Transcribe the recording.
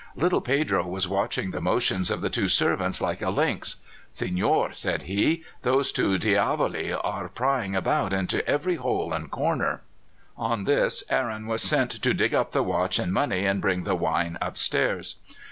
Little Pedro was watching the motions of the two servants like a lynx. "Signore," said he, "those two diavoli are prying about into every hole and corner." On this Aaron was sent to dig up the watch and money and bring the wine upstairs.